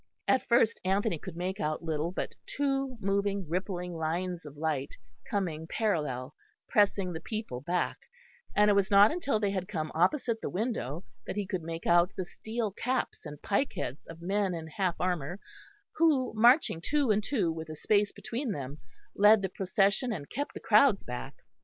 At first Anthony could make out little but two moving rippling lines of light, coming parallel, pressing the people back; and it was not until they had come opposite the window that he could make out the steel caps and pikeheads of men in half armour, who, marching two and two with a space between them, led the procession and kept the crowds back.